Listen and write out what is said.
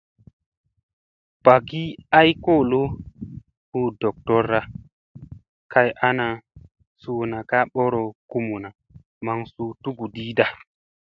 Bagi ay kolo hu doctorra kay ana suuna ka ɓorow kumuna maŋ suu tukɗiina.